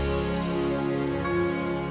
tuhan yang maha